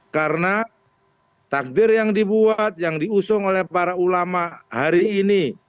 karena takdir yang dibuat yang diusung oleh para ulama hari ini